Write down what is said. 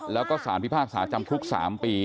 แล้วก็สารพิพากษาจำคุก๓ปี